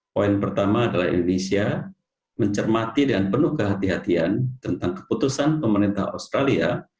poin pertama adalah indonesia mencermati dengan penuh kehatian tentang keputusan pemerintah australia